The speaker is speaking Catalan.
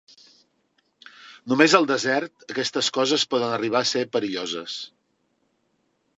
Només al desert, aquestes coses poden arribar a ser perilloses.